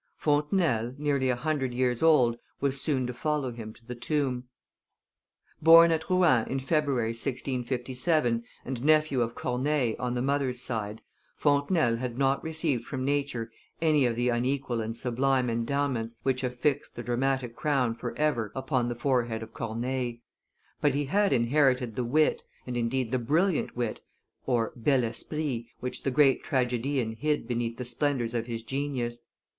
Fontenelle, nearly a hundred years old, was soon to follow him to the tomb. [Illustration: Fontenelle 274] Born at Rouen in February, 1657, and nephew of Corneille on the mother's side, Fontenelle had not received from nature any of the unequal and sublime endowments which have fixed the dramatic crown forever upon the forehead of Corneille; but he had inherited the wit, and indeed the brilliant wit (bel esprit), which the great tragedian hid beneath the splendors of his genius.